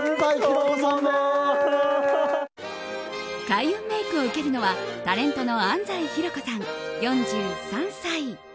開運メイクを受けるのはタレントの安西ひろこさん、４３歳。